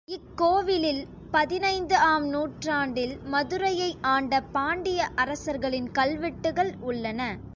இக் கோவிலில் பதினைந்து ஆம் நூற்றாண்டில் மதுரையை ஆண்ட பாண்டிய அரசர்களின் கல்வெட்டுகள் உள்ளன.